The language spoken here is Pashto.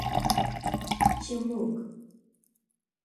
چې موږ